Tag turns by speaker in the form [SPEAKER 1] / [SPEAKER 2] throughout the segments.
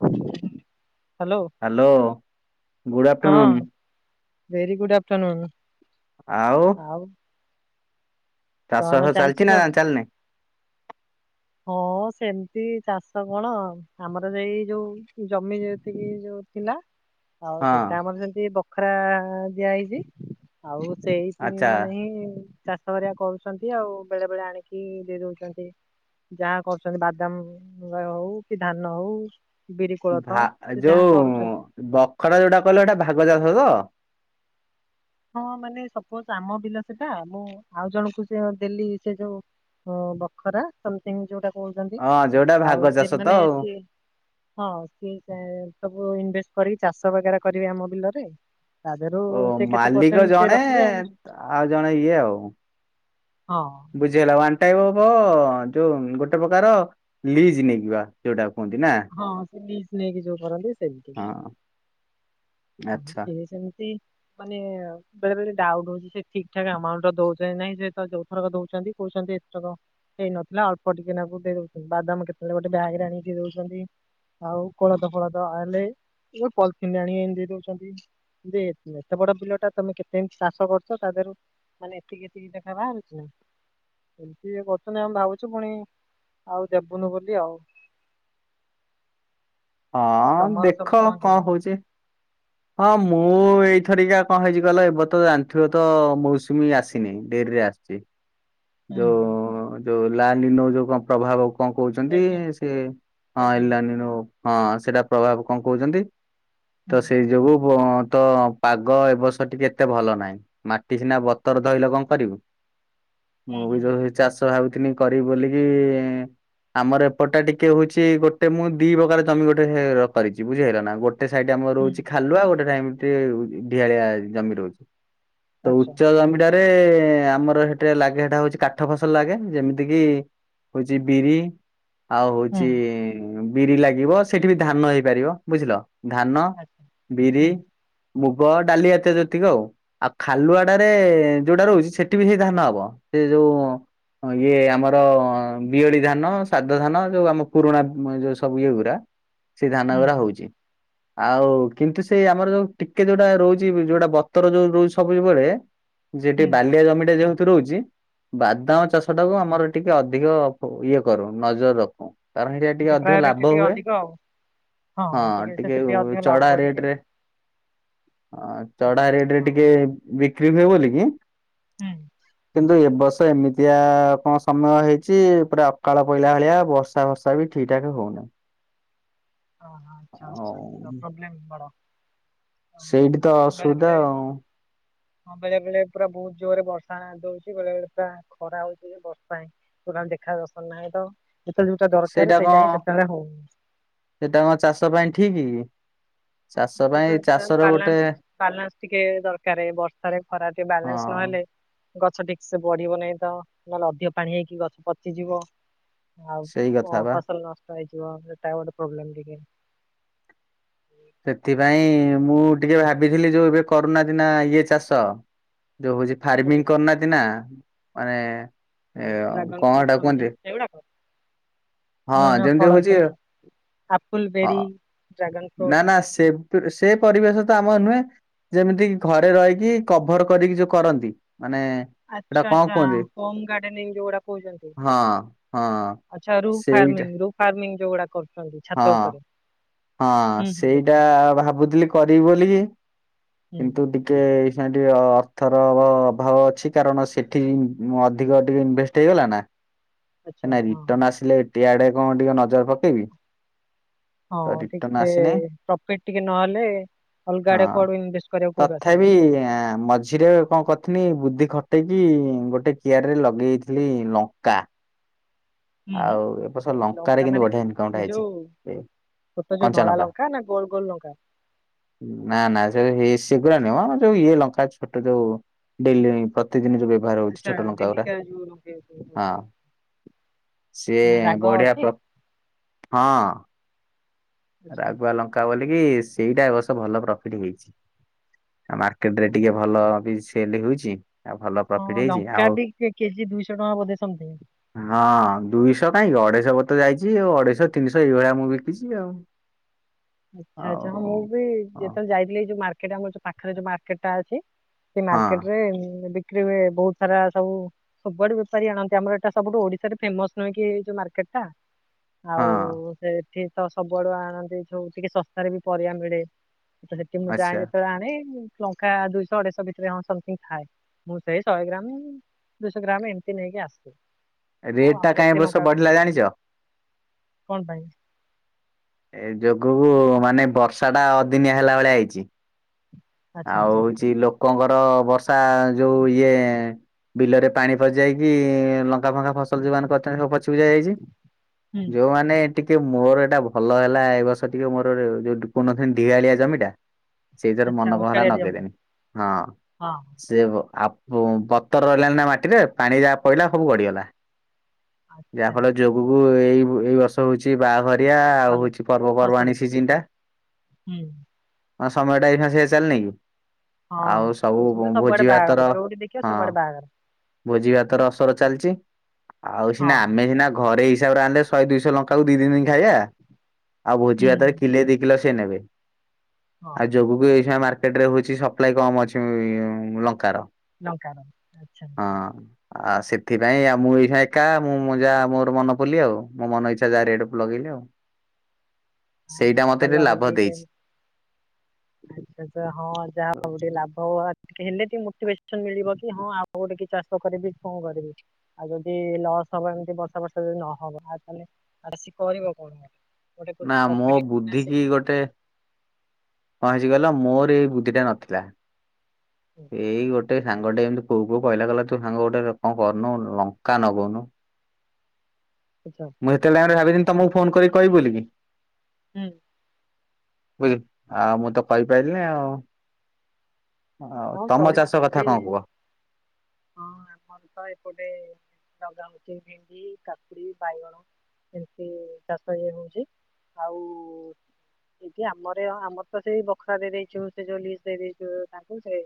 [SPEAKER 1] ହ [inaudible]
[SPEAKER 2] hello good
[SPEAKER 1] ହଁ
[SPEAKER 2] afternoon.
[SPEAKER 1] Very good afternoon ଆଉ
[SPEAKER 2] ଚାଷ
[SPEAKER 1] କଣ
[SPEAKER 2] ବାସ ଚାଲିଛି ନା
[SPEAKER 1] ସବୁ?
[SPEAKER 2] ଚାଲିନି?
[SPEAKER 1] ହଁ ସେମିତି ଚାଷ କଣ? ଆମର ସେଇ ଯୋଉ ଜମି ଯେତିକି ଯୋଉ ଥିଲା
[SPEAKER 2] [inaudible]
[SPEAKER 1] ହଉ ସେଇଟା ଆମର ସେମିତି ବଖରା ଦିଆ ହେଇଛି। ଆଉ ସେଇ ତି
[SPEAKER 2] ଆଚ୍ଛା
[SPEAKER 1] ମାନେ ହିଁ ଚାଷ ହେରିଆ କରୁଛନ୍ତି। ଆଉ ବେଳେ ବେଳେ ଆଣିକି ଦେଇ ଦଉଛନ୍ତି। ଯାହା କରୁଛନ୍ତି ବାଦାମ ମ ହଉ କି ଧାନ ହଉ। ବିରି କୋଳଥ
[SPEAKER 2] ଭା
[SPEAKER 1] ସେ ଯାହା
[SPEAKER 2] ଯୋଉ
[SPEAKER 1] କରୁଛନ୍ତି।
[SPEAKER 2] ବଖରା ଯୋଉଟା କହିଲେ ହେଇଟା ଭାଗ ଚାଷ ତ।
[SPEAKER 1] ହଁ ମାନେ ସପୋଜ ଆମ ବିଲ ସେଟା ମୁଁ ଆଉ ଜଣଙ୍କୁ ସେ ଦେଲି ସେ ଯୋଉ ହଁ ବଖରା ସମଥିଙ୍ଗି ଯୋଉଟା କହୁଛନ୍ତି।
[SPEAKER 2] ହଁ ଯୋଉଟା
[SPEAKER 1] ଆଉ
[SPEAKER 2] ଭାଗ ଚାଷ ତ
[SPEAKER 1] ସେଇମାନେ
[SPEAKER 2] ଆଉ
[SPEAKER 1] ସିଏ ହଁ ସିଏ ସେ ସବୁ ଇନଭେଷ୍ଟ କରିକି ଚାଷ ବଗେରା କରିବେ ଆମ ବିଲରେ। ତା ଧିଅରୁ
[SPEAKER 2] ଓ
[SPEAKER 1] ସେକେତେ
[SPEAKER 2] ମାଲିକ ଜଣେ ଆଉ ଜଣେ ଇଏ ଆଉ
[SPEAKER 1] ହଁ
[SPEAKER 2] ବୁଝ୍ ଝୀ ହେଲା ୱାନ ଟାଇପ୍ ଅଫ୍ ଯୋଉ ଗୋଟେ ପ୍ରକାର ଲିଜ ନେଇଜିବା। ଯୋଉଟା କୁ କୁହନ୍ତି ନା?
[SPEAKER 1] ହଁ ସେ ଲିଜ ନେଇକି ଯୋଉ କରନ୍ତି
[SPEAKER 2] ହଁ
[SPEAKER 1] ସେମିତିକା। ହଁ
[SPEAKER 2] ଆଚ୍ଛା
[SPEAKER 1] ସିଏ ସେମିତି ମାନେ ବେଳେ ବେଳେ ଡାଉଟୁ ହଉଛି ସେ ଠିକ୍ ଠାକ ଆମଉଣ୍ଟ ଦଉଛନ୍ତି ନାହିଁ ସେ ତ ଯୋଉଥରକ ଦଉଛନ୍ତି କହୁଛନ୍ତି ଏଥରକ ସେ ନଥିଲା ଅଳ୍ପ ଟିକେ ନାଗୁ ଦଉଛନ୍ତି ବାଦାମ କେତେବେଳେ ଗୋଟେ ବ୍ୟାଗରେ ଆଣିକି ଦେଉଛନ୍ତି। ଆଉ କୋଳଥ ଫୋଳଥ ଆଣିଲେ ଏ ଯୋଉ ପଲିଥିନିରେ ଆଣିକି ଏମିତି ଦେଇ ଦଉଛନ୍ତି। ଯେ ଏତ ଏତେ ବଡ ବିଲ ଟା ତମେ କେତେ ଏମତି ଚାଷ କରୁଛ ତା ଦେହରୁ ମାନେ ଏତିକି ଏତିକି ଦେଖା ବାହାରୁଚି। ଏମିତି ଇଏ କରୁଛନ୍ତି ଆମେ ଭାବୁଛୁ ପୁଣି ଆଉ ଦେବୁନୁ ବୋଲି ଆଉ।
[SPEAKER 2] ହଁ
[SPEAKER 1] ତମର ସବୁ
[SPEAKER 2] ଦେଖ କଣ
[SPEAKER 1] କେମିତି?
[SPEAKER 2] ହଉଛି। ହଁ ମୁଁ ଏଇଥରିକା କଣ ହେଇଛି କହିଲ ଏବେ ତ ଜାଣିଥିବ ତ ମୌସୁମୀ ଆସିନି ଡେରିରେ ଆସିଚି।
[SPEAKER 1] ହୁଁ
[SPEAKER 2] ଯୋଉ ଯୋଉ ଲାଲିନୋ ଯୋଉ କଣ ପ୍ରଭାବ କଣ କହୁଛନ୍ତି
[SPEAKER 1] ଏଲିନି
[SPEAKER 2] ସେ ହଁ ଏ
[SPEAKER 1] ଏଲିନି
[SPEAKER 2] ଲାଈନୁ ରୁ ହଁ ସେଟା ପ୍ରଭାବ କଣ କହୁଛନ୍ତି
[SPEAKER 1] ହୁଁ
[SPEAKER 2] ତ ସେଇ ଯୋଗୁ ତ ପାଗ ଏ ବର୍ଷ ଟିକେ ଏତେ ଭଲ ନାହିଁ। ମାଟି ସିନା ବତର ଧଇଲେ କଣ କରିବୁ।
[SPEAKER 1] ହୁଁ
[SPEAKER 2] ମୁଁ ବି
[SPEAKER 1] ହୁଁ
[SPEAKER 2] ଯୋଉ ଚାଷ ଭାବିଥିନି କରିବି ବୋଲିକି ଆମର ଏପଟ ଟା ଟିକେ ହଉଛି। ଗୋଟେ ମୁଁ ଦି ପ୍ରକାର ଜମି ଗୋଟେ କରିଛି। ବୁଝି ହେଲାନା ଗୋଟେ ଗୋଟେ ସାଇଡି ଆମର
[SPEAKER 1] ହୁଁ
[SPEAKER 2] ରହୁଛି ଖାଲୁଆ ଆଉ ଗୋଟେ ଟାଇମି ଟିକେ ଢିଆଳିଆ ଜମି ରହୁଛି। ତ
[SPEAKER 1] ଆଚ୍ଛା
[SPEAKER 2] ଉଚ୍ଚ ଜମିଟାରେ ଆମର ହେଠି ଲାଗେ ସେଇଟା ହଉଚି କାଠ ଫସଲ ଲାଗେ ଯେମିତି କିି ହଉଚି ବିରି ଆଉ
[SPEAKER 1] ହୁଁ
[SPEAKER 2] ହଉଚି ବିରି ଲାଗିବ ସେଠି ବି ଧାନ ହେଇପାରିବ ବୁଝିଲ। ଧାନ
[SPEAKER 1] ଆଚ୍ଛା
[SPEAKER 2] ବିରି
[SPEAKER 1] ହୁଁ
[SPEAKER 2] ମୁଗ ଡାଲି ଯାତିୟ ଯେତିକ ଆଉ। ଆଉ ଖାଲୁଆଟାରେ ଯୋଉଟା ରହୁଚି ସେଠି ବି ସେଇ ଧାନ ହବ ସେ ଯୋଉ ହଁ ଇଏ ଆମର ବିୟଳି ଧାନ ସାଧ ଧାନ ଯୋଉ ଆମର ପୁରୁଣା ଯୋଉ ସବୁ ଇଏ ଗୁରା। ସେ
[SPEAKER 1] ହୁଁ
[SPEAKER 2] ଧାନଗୁରା ହୋଉଚି। ଆଉ କିନ୍ତୁ ସେଇ ଆମର ଯୋଉ ଟିକେ ଯୋଉଟା ରହୁଛି ଯୋଉଟା ବତର ଯୋଉ ରହୁଛି ସବେଇ ବେଳେ ଜେଟେ
[SPEAKER 1] ହୁଁ।
[SPEAKER 2] ବାଲିଆ ଜମିଟା ଯେହେତୁ ରହୁଛି
[SPEAKER 1] ହୁଁ।
[SPEAKER 2] ବାଦାମ ଚାଷଟାକୁ ଆମର ଟିକେ ଅଧିକ ଇଏ କରୁ ନଜର ରଖୁ। କାରଣ ଏଇଟା ଟିକେ ଅଧିକ
[SPEAKER 1] ପ୍ରାୟୋରିଟି
[SPEAKER 2] ଲାଭ
[SPEAKER 1] ଟିକେ
[SPEAKER 2] ହୁଏ।
[SPEAKER 1] ଅଧିକ ଆଉ
[SPEAKER 2] ହଁ ଟିକେ
[SPEAKER 1] ସେଥିରେ ଅଧିକ
[SPEAKER 2] ଚଡା
[SPEAKER 1] ଲାଭ ଟିକେ
[SPEAKER 2] ରେଟରେ ହ ଚଢା
[SPEAKER 1] ଆଚ୍ଛା
[SPEAKER 2] ରେଟରେ
[SPEAKER 1] ହଁ
[SPEAKER 2] ଟିକେ ବିକ୍ରି ହୁଏ ବୋଲି କି
[SPEAKER 1] ହୁଁ।
[SPEAKER 2] କିନ୍ତୁ ଏବ୍ ଏ ବର୍ଷ ଏମିତିଆ କଣ ସମୟ ହେଇଛି ପୁରା ଅକାଳ ପହିଲା ଭଳିଆ ବର୍ଷା ବର୍ଷା ର୍ଷା ବି ଠିକଠାକ ହୋଉନାହି।
[SPEAKER 1] ହଁ ହ ଆଚ୍ଛା ଆଚ୍ଛା ପ୍ରୋବ୍ଲେମ୍ ବଡ଼।
[SPEAKER 2] ସେଇଠି ତ ଅସୁବିଧା ଆଉ।
[SPEAKER 1] ହଁ ବେଳେ ବେଳେ ପୁରା ବହୁତ୍ ଜୋରେ ବର୍ଷା ନାଦି ଦଉଛି ବେଳେ ବେଳେ ପୁରା ଖରା ହଉଛି ଯେ ବର୍ଷା ହିଁ [unintelligible] ଦେଖା ଦର୍ଶନ ନାହିଁ ତ ଯେତେବେଳେ ଯୋଉଟା ଦରକାର ସେଇଟା ହିଁ ସେତେବେଳେ ହଉନି।
[SPEAKER 2] ସେଟା ଆମ ଚାଷ ପାଇଁ ଠିକ୍ କି। ଚାଷ ପାଇଁ
[SPEAKER 1] ଯେବେ
[SPEAKER 2] ଚାଷର ଗୋଟେ
[SPEAKER 1] ବାଲାନ୍ସ ବାଲାନ୍ସ ଟିକେ ଦରକାର ବର୍ଷାରେ ଖରା ଟିକେ
[SPEAKER 2] ହଁ
[SPEAKER 1] ବାଲାନ୍ସ ନହେଲେ ଗଛ ଠିକ୍ ସେ ବଢ଼ିବ ନାହିଁ ତ ନହେଲେ ଅଧିକ ପାଣି ହେଇକି ଗଛ ପଚିଯିବ। ଆଉ
[SPEAKER 2] ସେଇ କଥା ବା।
[SPEAKER 1] ଫସଲ ନଷ୍ଟ ହେଇଯିବ ସେଟା ଗୋଟେ ପ୍ରୋବ୍ଲେମ୍ ଟିକେ।
[SPEAKER 2] ସେଥିପାଇଁ ମୁଁ ଟିକେ ଭାବିଥିଲି ଯୋଉ ଏବେ କରୁନାହାନ୍ତି ନା ଇଏ ଚାଷ। ଯୋଉ ହଉଛି ଫାର୍ମିଂ କରିନାହାନ୍ତି ନା ମାନେ ଏ
[SPEAKER 1] ଡ୍ରାଗନ
[SPEAKER 2] କଣ
[SPEAKER 1] ଫ୍ରୁଟ
[SPEAKER 2] ହେଟା କୁହନ୍ତି?
[SPEAKER 1] ସମଥିଙ୍ଗ ସେଗୁଡାକ
[SPEAKER 2] ହଁ
[SPEAKER 1] ନୂଆ ନୂଆ
[SPEAKER 2] ଯେମିତି
[SPEAKER 1] ଫଳ
[SPEAKER 2] ହଉଛି
[SPEAKER 1] ସବୁ ଆପଲ
[SPEAKER 2] ହଁ।
[SPEAKER 1] ବେରୀ ଡ୍ରାଗନ ଫ୍ରୁଟ
[SPEAKER 2] ନାଁ ନାଁ ସେ ସେ ପରିବେଶ ତ ଆମର ନୁହେଁ। ଯେମିତି କି ଘରେ ରହିକି କଭର କରିକି ଯୋଉ କରନ୍ତି ମାନେ ସେଟା
[SPEAKER 1] ଆଚ୍ଛା
[SPEAKER 2] କଣ
[SPEAKER 1] ଆଚ୍ଛା
[SPEAKER 2] କୁହନ୍ତି
[SPEAKER 1] ହୋମ ଗାର୍ଡେନିଂ ଯୋଉଗୁଡା଼ କହୁଛନ୍ତି।
[SPEAKER 2] ହଁ। ହଁ
[SPEAKER 1] ଆଚ୍ଛା ରୁ
[SPEAKER 2] ସେଇଟା
[SPEAKER 1] ଫାର୍ମିଂ ରୁ ଫାର୍ମିଂ ଯୋଉଗୁଡା଼ କର
[SPEAKER 2] ହଁ ହଁ
[SPEAKER 1] ହୁଁ ହୁଁ
[SPEAKER 2] ସେଇଟା
[SPEAKER 1] ବୁଝିଲି
[SPEAKER 2] ଭାବୁଥିଲି କରିବି ବୋଲି ‌କି।
[SPEAKER 1] ହୁଁ
[SPEAKER 2] କିନ୍ତୁ ଏ ଟିକେ ଏ [unintelligible] ର ଅର୍ଥର ଅଭାବ ଅଛି କାରଣ ସେଠି ଅଧିକ ଟିକେ ଇନଭେଷ୍ଟ୍ [unintelligible]
[SPEAKER 1] ଆଚ୍ଛା
[SPEAKER 2] ନା
[SPEAKER 1] ହଁ
[SPEAKER 2] ରିଟର୍ନ ଆସିଲେ ଇଆଡ଼େ କଣ ଟିକେ ନଜର ପକେଇବି। ତ
[SPEAKER 1] ହଁ ଠିକ୍
[SPEAKER 2] ରିଟର୍ଣ
[SPEAKER 1] ସେ
[SPEAKER 2] ଆସିନାହିଁ
[SPEAKER 1] ପ୍ରଫିଟ୍ ଟିକେ ନହେଲେ ଅଲଗା
[SPEAKER 2] ହଁ
[SPEAKER 1] ଆଡେ କୁଆଡୁ ଇନଭେଷ୍ଟ କରିବାକୁ କୋଉଠୁ ଆସିବ
[SPEAKER 2] ତଥାପି ଆଁ ମଝିରେ କଣ କରିଥିଲି ବୁଦ୍ଧି ଖଟେଇକି ଗୋଟେ କିଆରି ରେ ଲଗେଇଥିଲି ଲଙ୍କା।
[SPEAKER 1] ହୁଁ
[SPEAKER 2] ଆଉ ଏ ବର୍ଷ ଲଙ୍କାରେ
[SPEAKER 1] ଲଙ୍କା
[SPEAKER 2] କିନ୍ତୁ
[SPEAKER 1] ମାନେ
[SPEAKER 2] ବଢ଼ିଆ ଇନକମ୍
[SPEAKER 1] ଏ
[SPEAKER 2] ଟା ହେଇଛି।
[SPEAKER 1] ଯୋଉ
[SPEAKER 2] ଏ
[SPEAKER 1] ଛୋଟ ଯୋଉ
[SPEAKER 2] କଞ୍ଚା
[SPEAKER 1] ଧଳା ଲଙ୍କା ନା ଗୋଲ ଗୋଲ ଲଙ୍କା।
[SPEAKER 2] ନାଁ ନାଁ ସେ ସେଗୁଡା ନୁହଁ ଆମର ଯୋଉ ଇଏ ଲଙ୍କା ଛୋଟ ଯୋଉ ଡେଲି ପ୍ରତିଦିନରେ ବ୍ୟବହାର ହଉଛି
[SPEAKER 1] ଆଚ୍ଛା
[SPEAKER 2] ଛୋଟ ଲଙ୍କା ଗୁଡ଼ା
[SPEAKER 1] ଡେଲିକା ଯୋଉ ଲଙ୍କା ସବୁ ଅଛି
[SPEAKER 2] ହଁ। ସିଏ
[SPEAKER 1] ନା ରାଗ
[SPEAKER 2] ବଢ଼ିଆ
[SPEAKER 1] ଅଛି
[SPEAKER 2] ପ୍ର ହଁ।
[SPEAKER 1] ଆଚ୍ଛା
[SPEAKER 2] ରାଗୁଆ ଲଙ୍କା ବୋଲିକି ସେଇଟା ଏ ବର୍ଷ ଭଲ ପ୍ରଫିଟ୍ ହେଇଛି ଆଉ ମାର୍କେ କେତେବେଳେ ଟିକେ ଭଲ ବି ସେଲ୍ ହଉଛି।
[SPEAKER 1] ହଁ ଲଙ୍କା ବି କେଜି ଦୁଇଶହ ଟଙ୍କା ବୋଧେ ସମଥିଙ୍ଗ୍
[SPEAKER 2] ହଁ ଦୁଇଶହ କାହିଁକି ଅଢ଼େଇ ଶହ ବତେ ଯାଇଛି ଆଉ ଅଢ଼େଇ ଶହ ତିନିଶହ ଏଇଭଳିଆ ମୁଁ ବିକିଛି ଆଉ।
[SPEAKER 1] ଆଚ୍ଛା ଆଚ୍ଛା ହଁ
[SPEAKER 2] ଆଉ
[SPEAKER 1] ମୁଁ ବି
[SPEAKER 2] ହଁ
[SPEAKER 1] ଯେତେବେଳେ ଯାଇଥିଲି ଯୋଉ ମାର୍କେଟ ଆମର ପାଖରେ ଯୋଉ ମାର୍କେଟ ଟା ଅଛି। ସେ ମାର୍କେଟ
[SPEAKER 2] ହଁ
[SPEAKER 1] ରେ ବିକ୍ରି ହୁଏ ବହୁତ୍ ସାରା ସବୁ ସବୁଆଡୁ଼ ବେପାରି ଆଣନ୍ତି ଆମର ଏଇଟା ସବୁଠୁ ଓଡ଼ିଶାରେ ଫେମସ୍ ନୁହଁ କି ଏଇ ଯୋଉ ମାର୍କେଟ ଟା। ଆଉ ସେ ଏଠି ତ ସବୁଆଡୁ ଆଣନ୍ତି ଯୋଉ ଟିକେ ଶସ୍ତାରେ ବି ପରିବା ମିଳେ। ତ ସେଠି ମୁଁ ଯାଏ
[SPEAKER 2] ଆଚ୍ଛା
[SPEAKER 1] ଯେତେବେଳେ ଆଣେ ଲଙ୍କା ଦୁଇଶହ ଅଢ଼େଇଶହ ଭିତରେ ହଁ ସମଥିଙ୍ଖ୍ ଥାଏ ମୁଁ ସେଇ ଶହେ ଗ୍ରାମ୍ ଦୁଇଶହ ଗ୍ରାମ୍ ଏମିତି ନେଇକି ଆସେ। ଆଉ
[SPEAKER 2] ରେଟ୍ ଟା
[SPEAKER 1] ଆମର
[SPEAKER 2] କାହିଁ ଏ
[SPEAKER 1] ଏତେ
[SPEAKER 2] ବର୍ଷ
[SPEAKER 1] ଲଙ୍କା କଣ
[SPEAKER 2] ବଢ଼ିଲା ଜାଣିଛ?
[SPEAKER 1] କଣ ପାଇଁ?
[SPEAKER 2] ଏ ଯୋଗୁକୁ ମାନେ ବର୍ଷା ଟା ଅଦିନିଆ ହେଲା ଭଳିଆ ହେଇଛି।
[SPEAKER 1] ଆଚ୍ଛା
[SPEAKER 2] ଆଉ
[SPEAKER 1] ଆଚ୍ଛା
[SPEAKER 2] ହଉଛି ଲୋକଙ୍କର ବର୍ଷା ଯୋଉ ଇଏ ବିଲରେ ପାଣି ଫଜାଇକି ଲଙ୍କା ଫଙ୍କା ଫ ଫସଲ ଯୋଉମାନେ କରିଛନ୍ତି ସବୁ ପଚି ପୁଚା ଯାଇଛି
[SPEAKER 1] ହୁଁ
[SPEAKER 2] ଯୋଉମାନେ ଟିକେ ମୋର ଏଇଟା ଭଲ ହେଲା ଏ ବର୍ଷ ଟିକେ ମୋର ଯୋଉ କହୁନଥାନ୍ତି [unintelligible] ଆଳିଆ ଜମିଟା। ସେଇଥିରେ
[SPEAKER 1] ଆଚ୍ଛା
[SPEAKER 2] ମନ କଣ ହେଲା
[SPEAKER 1] ଉଚାଳିଆରେ ଜମି
[SPEAKER 2] ନଗେଇଦେନି ହଁ।
[SPEAKER 1] ହଁ
[SPEAKER 2] ସେ ଆ ବତର ରହିଲାନି ନା ମାଟିରେ ପାଣି ଯାହା ପଇଲା ସବୁ ଗଡ଼ିଗଲା। ଯାହା
[SPEAKER 1] ଆଚ୍ଛା
[SPEAKER 2] ଫଳ ରେ
[SPEAKER 1] ଆଚ୍ଛା
[SPEAKER 2] ଯୋଗକୁ ଏଇ ଏଇ ବର୍ଷ ହଉଛି ବାହାଘର ଘରିଆ ଆଉ
[SPEAKER 1] ଭଲ
[SPEAKER 2] ହଉଛି
[SPEAKER 1] ଟିକେ ଫସଲ
[SPEAKER 2] ପର୍ବପର୍ବାଣି ସିଜିନ୍ ଟା।
[SPEAKER 1] ହୁଁ
[SPEAKER 2] ହଁ ସମୟ ଟା ଏଇା ସେ ଚାଲିନି କି।
[SPEAKER 1] ହଁ ହଁ
[SPEAKER 2] ଆଉ ସବୁ
[SPEAKER 1] ଏଇଛନ୍ତି ସବୁଆଡେ
[SPEAKER 2] ଭୋଜି
[SPEAKER 1] ବାହାଘର
[SPEAKER 2] ଭାତର
[SPEAKER 1] ଯୋଉଠି ଦେଖିବ
[SPEAKER 2] ହଁ।
[SPEAKER 1] ସବୁଆଡେ ବାହାଘର
[SPEAKER 2] ଭୋଜି ଭାତର ଅସର ଚାଲିଛି ଆଉ
[SPEAKER 1] ହଁ
[SPEAKER 2] ସିନା ଆମେ ସିନା ଘରେ ହିସାବରେ ଆଣିଲେ। ଶହେ ଦିଇଶହ ଲଙ୍କାକୁ ଦି ଦ ଦିନ ଖାଇବା ଆଉ ଭୋଜି
[SPEAKER 1] ହୁଁ
[SPEAKER 2] ଭାତରେ କିଲେ ଦି କିଲୋ ସେ ନେବେ।
[SPEAKER 1] ହଁ
[SPEAKER 2] ଆଉ ଯୋଗକୁ ଏୟ ମାର୍କେଟରେ ହଉଛି ସପ୍ଲାଇ କମ ଅଛି ଲଙ୍କାର।
[SPEAKER 1] ଲାଙ୍କର ଆଚ୍ଛା।
[SPEAKER 2] ଆଉ ସେଥିପାଇଁ ଆଉ ମୁଁ ଏଇଁ ଏକା ମୁଁ ଯାହା ମୋର ମନ ପଲି ଆଉ ମୋ ମନ ଇଚ୍ଛା ଯାହା ରେଟ ଲଗେଇଲି ଆଉ।
[SPEAKER 1] ହଁ
[SPEAKER 2] ସେଇଟା ମତେ
[SPEAKER 1] ଭଲ
[SPEAKER 2] ଟିକେ ଲାଭ ଦେଇଛି।
[SPEAKER 1] ଆଛା ତ ହଁ ଯାହା ହଉି ଲାଭ ହ ହେଲେ ଟିକେ ମୋଟିଭେସନ ମିଳିବ କି ହଁ ଆଉ ଗୋଟେ କି ଚାଷ କରିବି କଣ କରିବି। ଆଉ ଯଦି ଲସ୍ ହବ ଏମିତି ବର୍ଷା ବର୍ଷା ଯଦି ନହବ ଆ ତାହେଲେ ଆ ସି କରିବ କଣ ପାଇଁ
[SPEAKER 2] ନା ମୋ ବୁଦ୍ଧି କି ଗୋଟେ। ପହଞ୍ଚି ଗଲା ମୋର ଏଇ ବୁଦ୍ଧିଟା ନଥିଲା ଏଇ ଗୋଟେ। ଟେ ସାଙ୍ଗ ଟେ ଏମିତି କୋଉ କ କହିଲା କଲା ତୁ ସାଙ୍ଗ ଗୋଟେ କଣ କରୁନୁ ଲଙ୍କା ନଗଉନୁ।
[SPEAKER 1] ଆଚ୍ଛା।
[SPEAKER 2] ମୁଁ ସେତେ ଲାଇ ଭାବି ତମକୁ ଫୋନ କରିକି କହିବି ବୋଲି କି।
[SPEAKER 1] ହୁଁ।
[SPEAKER 2] ବୁଝିଲ ଆଉ ମୁଁ ତ କହିପାରିଲିନି ଆଉ ଆଉ
[SPEAKER 1] ହଁ
[SPEAKER 2] ତମ
[SPEAKER 1] ଚଳିବ
[SPEAKER 2] ଚାଷ
[SPEAKER 1] ମୁଁ ବି
[SPEAKER 2] କଥା କଣ କୁହ?
[SPEAKER 1] ହଁ ଆମର ତ ଏପଟେ ଲଗା ହଉଛି ଭେଣ୍ଡି କାକୁଡି ବାଇଗଣ ଏମିତି ଚାଷ ଏ ହଉଛି ଆଉ ଏଇଠି ଆମ ଆମର ତ ସେଇ ବଖରା ଦେଇଦେଇଛୁ ସେ ଯୋଉ ଲି ଦେଇଛୁ ତା ସେ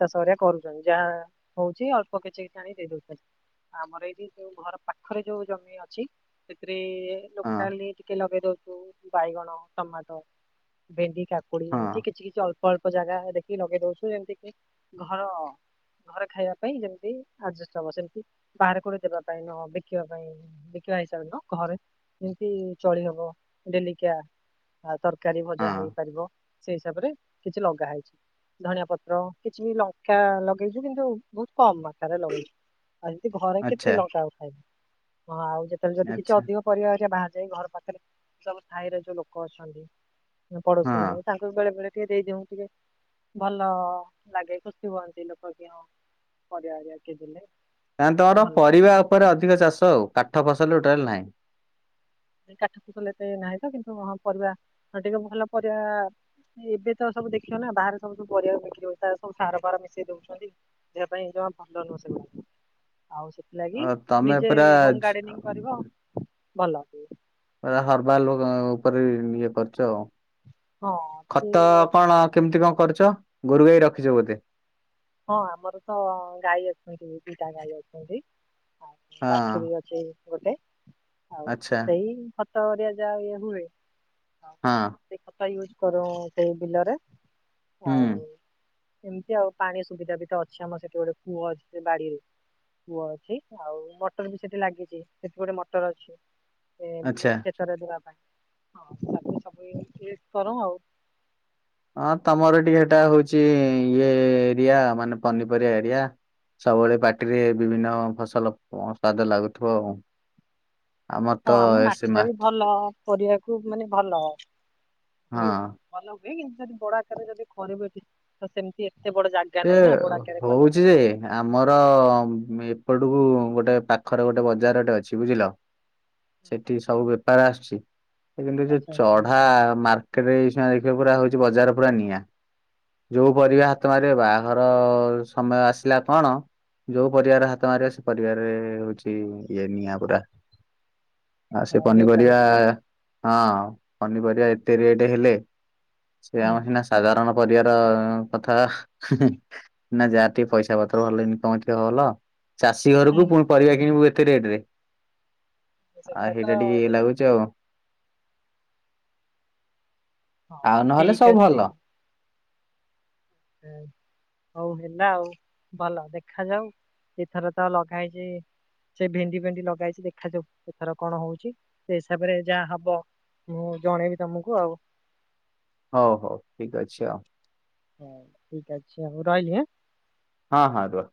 [SPEAKER 1] ଚାଷ ହାରିକା କରୁଛନ୍ତି ଯାହା ହଉଛି ଅଳ୍ପ କିଛି କି ଆଣି ଦେଇ ଦଉଛନ୍ତି। ଆମର ଏଇଠି ଯୋଉ ଘର ପାଖରେ ଯୋଉ ଜମି ଅଛି ସେଥିରେ। ଟ
[SPEAKER 2] ହଁ
[SPEAKER 1] ଲୋକାଲ ଟିକେ ଲଗେଇ ଦଉଛୁ ବାଇଗଣ ଟମାଟୋ ଭେଣ୍ଡି। କାକୁଡି
[SPEAKER 2] ହଁ
[SPEAKER 1] ଏମିତି କିଛି କିଛି ଅଳ୍ପ ଅଳ୍ପ ଜାଗା ଦେଖିକି ଲଗେଇ ଦଉଛୁ ଯେମିତି କି ଘର। ଘରେ ଖାଇବା ପାଇଁ ଯେମତି ଆଡଜଷ୍ଟ ହବ ସେମିତି ବାହାର କୋଡେ ଦେବା ପାଇଁ ନ ବିକିବା ପାଇଁ। ବିକିବା ହିସାବରେ ନ ଘରେ ଯେମିତି ଚଳି ହବ ଡେଲିକିଆ। ଆ ତରକାରୀ ଭଜା
[SPEAKER 2] ହଁ
[SPEAKER 1] ହେଇପାରିବ ସେଇ ହିସାବରେ କିଛି ଲଗା ହେଇଛି। ଧଣିଆ ପତ୍ର କିଛି ବି ଲଙ୍କା ଲଗେଇଛୁ କିନ୍ତୁ ବହୁତ କମ ମାତ୍ରାରେ ଲଗେଇଛୁ। ଆଉ ଯେମିତି ଘରେ କେତେ
[SPEAKER 2] ଆଚ୍ଛା।
[SPEAKER 1] ଲଙ୍କା ଆଉ ଖାଇବୁ ହଁ ଆଉ ଯେତେବେଳେ ଯଦି କିଛି
[SPEAKER 2] ଆଚ୍ଛା
[SPEAKER 1] ଅଧିକ। ପରିବା ହେରିକା ରେ ବାହରୋ ଯାଇ ଘର ପାଖରେ ସବୁ ସ୍ଥାାଇରେ ଯୋଉ ଲୋକ ଅଛନ୍ତି
[SPEAKER 2] ହଁ
[SPEAKER 1] ପଡୋଶୀ ମ ତାଙ୍କ ବଳେ ବଳେ ଟିକେ ଦେଇ ଦେଉ ଟିକେ ଭଲ ଲାଗେ ଖୁସି ହୁଅନ୍ତି ଲୋକ କିଁ ପରିବା ଆରିଆ କିଏ ଦେଲେ।
[SPEAKER 2] କ
[SPEAKER 1] ଟିକେ
[SPEAKER 2] ତୋର
[SPEAKER 1] ଭଲ ଲାଗେ।
[SPEAKER 2] ପରିବା ଉପରେ ଅଧିକ ଚାଷ ଆଉ କାଠ ଫସଲ ଟୋଟଲୀ ନାହିଁ।
[SPEAKER 1] କାଠ ଫସଲ ଏତେ ନାହିଁ ତ କିନ୍ତୁ ହଁ ପରିବା ଟିକେ ଭଲ ପରିବା ଏବେ ତ ସବୁ ଦେଖିବ ନା ବାହାରେ ସବୁ ସବୁ ପରିବା ବିକ୍ରିି ହଉଚି ତାର ସବୁ ସାର ଫାର ମିଶେଇ ଦଉଛନ୍ତି। ଦେହ ପାଇଁ ଜମା ଭଲ ନୁହଁ ସେଗୁଡ଼ାକ ଆଉ ସେ
[SPEAKER 2] ଅ
[SPEAKER 1] ଲାଗି
[SPEAKER 2] ତମେ
[SPEAKER 1] ନିଜେ
[SPEAKER 2] ପୁରା
[SPEAKER 1] ହୋମ
[SPEAKER 2] ଜ-
[SPEAKER 1] ଗାର୍ଡେନିଂ କରିବ ଭଲ।
[SPEAKER 2] ପା ହର୍ବାଲ ଉପରେ ଇଏ କରୁଛ ଆଉ
[SPEAKER 1] ହଁ ସେ
[SPEAKER 2] ଖତ କଣ। କେମିତି କଣ କରୁଛ ଗୋରୁ ଗାଈ ରଖିଛ ବୋଧେ
[SPEAKER 1] ହଁ ଆମର ତ ଗାଈ ଅଛନ୍ତି ଦିଟା ଗାଈ ଅଛନ୍ତି। ଆଉ
[SPEAKER 2] ହଁ
[SPEAKER 1] ବାଛୁରୀ ଅଛି ଗୋଟେ ଆଉ
[SPEAKER 2] ଆଚ୍ଛା।
[SPEAKER 1] ସେଇ ସାରିଆ ଯା ଏ ହୁଏ।
[SPEAKER 2] ହଁ
[SPEAKER 1] ସେ କଥା ୟୁଜ୍ କରୁ ସେଇ ବିଲରେ
[SPEAKER 2] ହୁଁ
[SPEAKER 1] ଆଉ ଏମିତି ଆଉ ପାଣି ସୁବିଧା ବି ତ ଅଛି ଆମର ସେଠି ଗୋଟେ କୁଅ ଅଛି ବାଡିରେ କୁଅ ଅଛି ଆଉ ମଟର ବି ସେଠି ଲାଗିଛି ସେଠି ଗୋଟେ ମଟର ଅଛି।
[SPEAKER 2] ଆଛା
[SPEAKER 1] ରେବାବା ହଁ ତାକୁ ସବୁ କର ଆଉ
[SPEAKER 2] ହଁ ତମର ଟିକେ ଏଟା ହଉଛି ଇଏ ଏରିଆ ମାନେ ପନିପରିବା ଏରିଆ। ସବୁବେଳେ ପାଟିରେ ବିଭିନ୍ନ ଫସଲ ସ୍ଵାଦ ଲାଗୁଥିବ। ଆମର ତ
[SPEAKER 1] ହଁ ଆମ
[SPEAKER 2] ଏସେ
[SPEAKER 1] ମାଟି ଟା
[SPEAKER 2] ମା
[SPEAKER 1] ବି ଭଲ ପରିବାକୁ ମାନେ ଭଲ ହୁଏ।
[SPEAKER 2] ହଁ
[SPEAKER 1] ଭଲ ହୁଏ କିନ୍ତୁ ଯଦି ବଡ ଆକାରରେ ଯଦି କରିବେଠ ତ ସେମିତି ଏତେ ବଡ ଜାଗ
[SPEAKER 2] ସେ ହଉଛି ଯେ ଆମର ଏପଟକୁ ଗୋଟେ ପାଖରେ ଗୋଟେ ବଜାର ଟେ ଅଛି ବୁଝିଲ ସେଠି ସବୁ ବେପାର ଆସୁଛି କିନ୍ତୁ ଏ ଯୋଉ
[SPEAKER 1] ଆଚ୍ଛା ଆଚ୍ଛା
[SPEAKER 2] ଚଢା ମା ତେବେ ଏଉଛୁଣା ଦେଖିବ ବଜାର ପୁରା ନିଆଁ ଯୋଉ ପରିବା ହାତ ମାର ରେ ବାହାଘର ସମୟ ଆସିଲା କଣ ଯୋଉ ପରିବାରେ ହାତ ମାରିବ ସେ ପରିବାରରେ ହଉଛି ଇଏ ନିଆଁ ପୁରା ଆଉ ସେ
[SPEAKER 1] ହଁ, ଅଧିକ
[SPEAKER 2] ପନିପରିବା
[SPEAKER 1] ପ୍ରାଇସ୍
[SPEAKER 2] ହଁ ପନିପରିବା ଏତେ ରେଟ ହେଲେ ସେ
[SPEAKER 1] ହୁଁ
[SPEAKER 2] ଆମ ସିନା ସାଧାରଣ ପରିବାର କଥା ହୁଁ ହୁଁ ନା ଯାହା ଟିକେ ପଇସା ପତ୍ର ଭଲ ଇନକମ ଟିକେ ଉଲ ଚାଷୀ ଘରକୁ ପୁଣି
[SPEAKER 1] ହୁଁ
[SPEAKER 2] ପରିବା କିଣିବୁ ଏତେ ରେଟ ରେ
[SPEAKER 1] ସେଟା
[SPEAKER 2] ଆଉ
[SPEAKER 1] ତ
[SPEAKER 2] ହେଇଟା ଟିକେ ଇଏ
[SPEAKER 1] ଦେଖ
[SPEAKER 2] ଲାଗୁଚି ଆଉ
[SPEAKER 1] ହଉ
[SPEAKER 2] ଆଉ ନହେଲେ
[SPEAKER 1] ଠିକ
[SPEAKER 2] ସବୁ
[SPEAKER 1] ଅଛି
[SPEAKER 2] ଭଲ।
[SPEAKER 1] ଏଁ। ହଉ ହେଲା ଆଉ ଭଲ ଦେଖାଯାଉ ଏଥର ତ ନ ଖାଇକି ସେ ଭେଣ୍ଡି ଫେଣ୍ଡି ନଗା ହେଇଛି ଦେଖାଯାଉ ଏଥର କଣ ହଉଛି ସେ ହିସାବରେ ଯାହା ହବ ମୁଁ ଜଣେଇବି ତମକୁ ଆଉ
[SPEAKER 2] ହଉ ହଉ ଠିକ୍ ଅଛି ଆଉ।
[SPEAKER 1] ହଉ ଠିକ୍ ଅଛି ମୁଁ ରଇଲି ଆଁ
[SPEAKER 2] ହଁ ହଁ ଦବା।